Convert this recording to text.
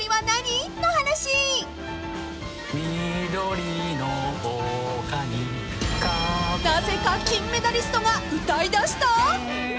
［なぜか］